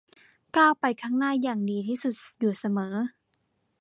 ก้าวไปข้างหน้าอย่างดีที่สุดอยู่เสมอ